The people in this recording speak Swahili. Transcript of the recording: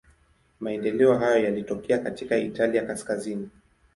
Maendeleo hayo yalitokea katika Italia kaskazini.